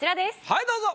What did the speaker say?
はいどうぞ。